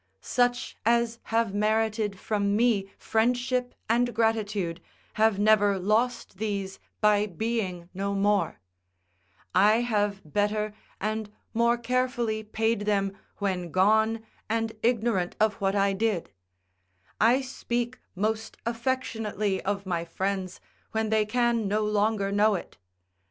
Such as have merited from me friendship and gratitude have never lost these by being no more; I have better and more carefully paid them when gone and ignorant of what I did; I speak most affectionately of my friends when they can no longer know it.